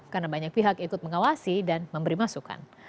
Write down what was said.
karena banyak pihak ikut mengawasi dan memberi masukan